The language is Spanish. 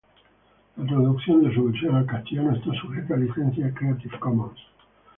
La traducción de su versión al español está sujeta a licencia Creative Commons.